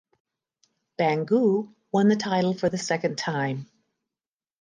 Bangu won the title for the second time.